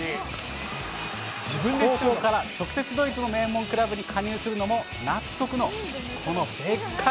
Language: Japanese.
高校から、直接、ドイツの名門クラブに加入するのも納得のこのベッカク！